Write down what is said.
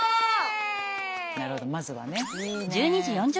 なるほどまずはね。